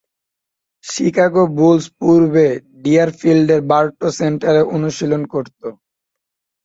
Chicago Bulls পূর্বে ডিয়ারফিল্ডের Berto সেন্টারে অনুশীলন করত।